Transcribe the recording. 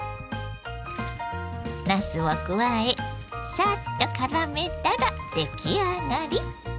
なすを加えサッとからめたら出来上がり。